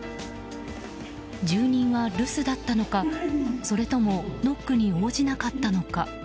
住人は留守だったのかそれともノックに応じなかったのか。